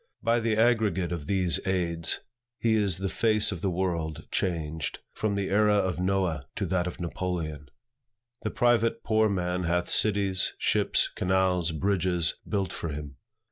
By the aggregate of these aids, how is the face of the world changed, from the era of Noah to that of Napoleon! The private poor man hath cities, ships, canals, bridges, built for him.